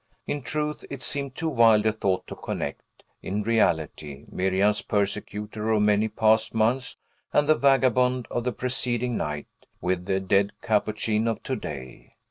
In truth, it seemed too wild a thought to connect, in reality, Miriam's persecutor of many past months and the vagabond of the preceding night, with the dead Capuchin of to day.